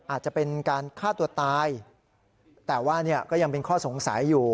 อาจจะเป็นการฆ่าตัวตายแต่ว่าเนี่ยก็ยังเป็นข้อสงสัยอยู่